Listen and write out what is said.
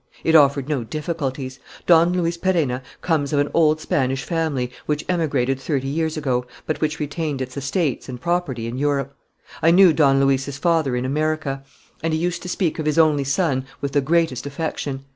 "It offered no difficulties. Don Luis Perenna comes of an old Spanish family which emigrated thirty years ago, but which retained its estates and property in Europe. I knew Don Luis's father in America; and he used to speak of his only son with the greatest affection.